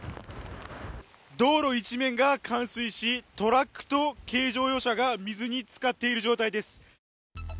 道路一面が冠水し、トラックと軽乗用車が水につかっている状態です。